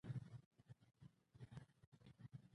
چاکلېټ د دوستانو ترمنځ یو ارزښتناک تحفه ده.